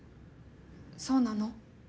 そうなの？